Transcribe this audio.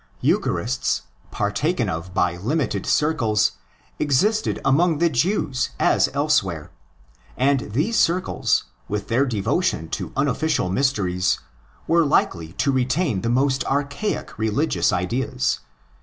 Evucharists, par taken of by limited circles, existed among the Jews as elsewhere. And these circles, with their devotion to unofficial mysteries, were likely to retain the most archaic religious ideas.